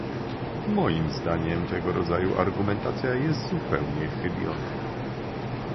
Moim zdaniem tego rodzaju argumentacja jest zupełnie chybiona